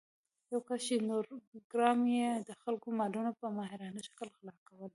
یو کس چې نورګرام کې يې د خلکو مالونه په ماهرانه شکل غلا کول